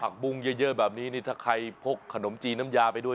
บุ้งเยอะแบบนี้นี่ถ้าใครพกขนมจีนน้ำยาไปด้วย